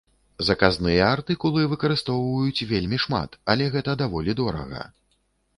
Заказныя артыкулы выкарыстоўваюць вельмі шмат, але гэта даволі дорага.